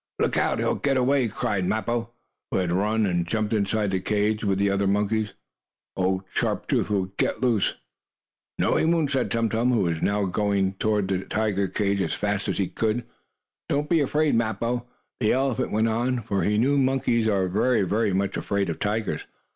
"Look out! He'll get away!" cried Mappo, who had run and jumped inside the cage with the other monkeys. "Old Sharp Tooth will get loose." "No, he won't!" said Tum Tum, who was now going toward the tiger's cage as fast as he could. "Don't be afraid, Mappo," the elephant went on, for he knew monkeys are very much afraid of tigers.